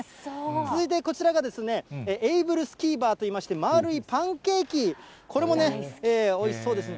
続いてこちらがエイブルスキーバーといいまして、丸いパンケーキ、これもおいしそうですね。